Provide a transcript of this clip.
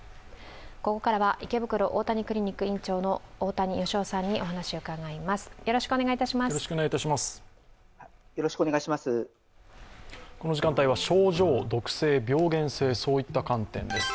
ここからは池袋大谷クリニック院長の大谷義夫さんにお話を伺います。